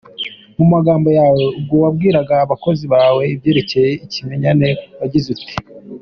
Mumagambo yawe Ubwo wabwiraga abakozi bawe ibyerekeye ikimenyane wagize uti.